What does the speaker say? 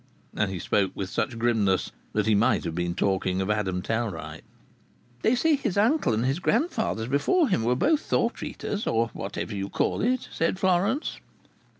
And he spoke with such grimness that he might have been talking of Adam Tellwright. "They say his uncle and his grandfather before him were both thought readers, or whatever you call it," said Florence.